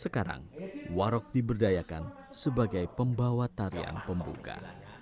sekarang warok diberdayakan sebagai pembawa tarian pembuka